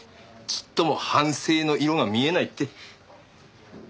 ちっとも反省の色が見えないって。